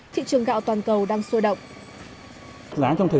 thị trường gạo toàn cầu đang sôi động